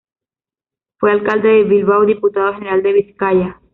Fue alcalde de Bilbao y Diputado General de Vizcaya.